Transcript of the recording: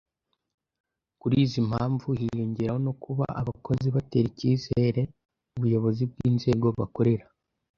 Kuri izi mpamvu hiyongeraho no kuba abakozi batera icyizere Ubuyobozi bw Inzego bakorera